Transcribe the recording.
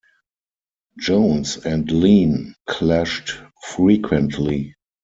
Jones and Lean clashed frequently.